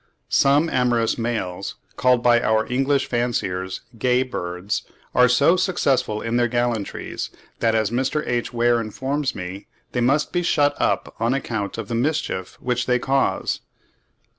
Some amorous males, called by our English fanciers "gay birds," are so successful in their gallantries, that, as Mr. H. Weir informs me, they must be shut up on account of the mischief which they cause.